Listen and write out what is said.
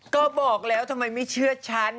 ก็บอกแล้วทำไมไม่เชื่อฉัน